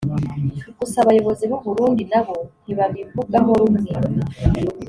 gusa Abayobozi b’u Burundi nabo ntibabivugaho rumwe